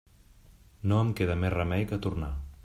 No em queda més remei que tornar.